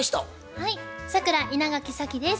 はい桜稲垣早希です。